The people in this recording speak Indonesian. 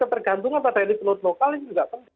tergantung apa elit elit lokal ini juga penting